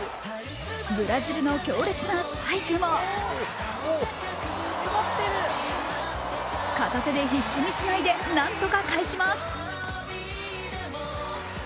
ブラジルの強烈なスパイクも片手で必死につないで何とか返します。